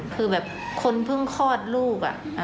คือแบบคนเพิ่งคลอดลูก